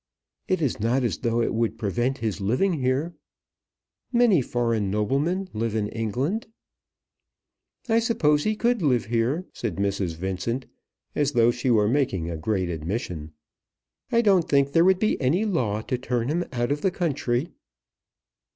It is not as though it would prevent his living here. Many foreign noblemen live in England." "I suppose he could live here," said Mrs. Vincent as though she were making a great admission. "I don't think that there would be any law to turn him out of the country."